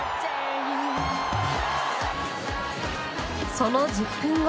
その１０分後。